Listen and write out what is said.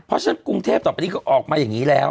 เพราะฉะนั้นกรุงเทพต่อไปนี้ก็ออกมาอย่างนี้แล้ว